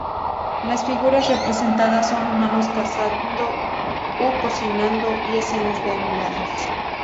Las figuras representadas son humanos cazando u cocinando y escenas de animales.